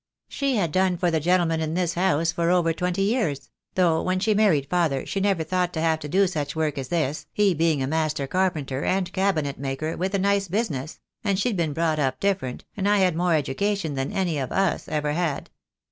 She had done for the gentlemen in this house for over twenty years; though when she married father she never thought to have to do such work as this, he being a master carpenter and cabinet maker with a nice business THE DAY WILL COME. 6l — and she'd been brought up different, and had more education than any of us ever had."